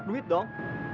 lu banyak duit dong